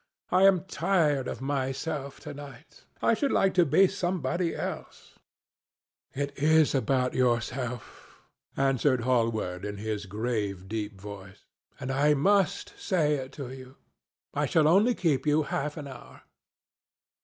I am tired of myself to night. I should like to be somebody else." "It is about yourself," answered Hallward in his grave deep voice, "and I must say it to you. I shall only keep you half an hour."